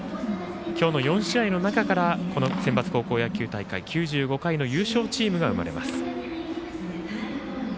今日の４試合の中からセンバツ高校野球大会第９５回の優勝チームが生まれます。